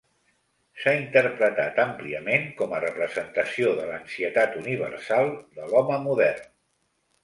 S'ha interpretat àmpliament com a representació de l'ansietat universal de l'home modern.